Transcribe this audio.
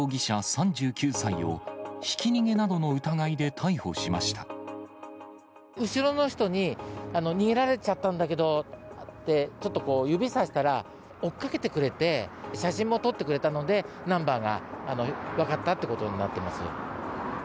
３９歳を、ひき逃げなどの疑いで逮捕後ろの人に、逃げられちゃったんだけどって、ちょっとこう、指さしたら、追っかけてくれて、写真も撮ってくれたので、ナンバーが分かったということになっています。